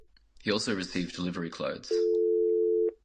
He also received livery clothes.